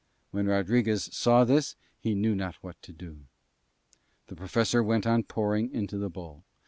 When Rodriguez saw this he knew not what to do. The Professor went on pouring into the bowl.